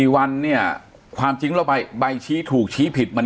๔วันเนี่ยความจริงแล้วใบชี้ถูกชี้ผิดมัน